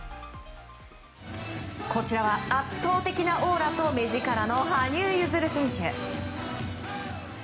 こちらは圧倒的なオーラと目力の羽生結弦選手。